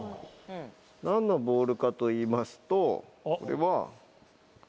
何のボールかといいますとこれは。